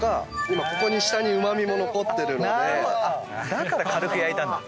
だから軽く焼いたんだ。